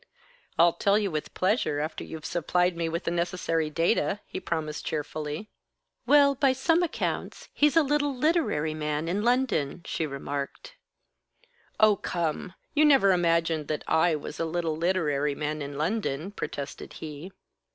"I'll tell you with pleasure, after you've supplied me with the necessary data," he promised cheerfully. "Well, by some accounts, he's a little literary man in London," she remarked. "Oh, come! You never imagined that I was a little literary man in London," protested he.